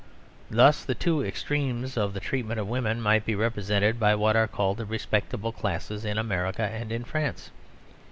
Thus, the two extremes of the treatment of women might be represented by what are called the respectable classes in America and in France.